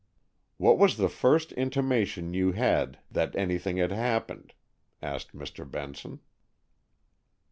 "What was the first intimation you had that anything had happened?" asked Mr. Benson.